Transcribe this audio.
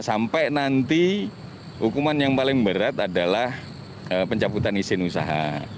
sampai nanti hukuman yang paling berat adalah pencabutan izin usaha